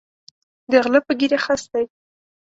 د غلۀ پۀ ږیره خس دی